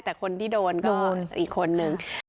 แต่คนที่โดนก็คืออีกคนนึง